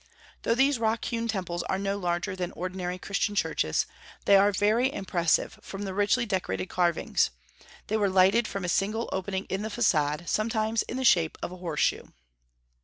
Though these rock hewn temples are no larger than ordinary Christian churches, they are very impressive from the richly decorated carvings; they were lighted from a single opening in the façade, sometimes in the shape of a horseshoe.